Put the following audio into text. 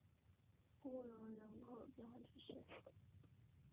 库库龙人口变化图示